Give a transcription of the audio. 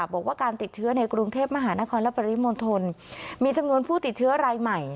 บอกว่าการติดเชื้อในกรุงเทพมหานครและปริมณฑลมีจำนวนผู้ติดเชื้อรายใหม่